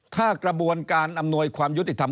ถ้ากระบวนการอำนวยความยุติธรรม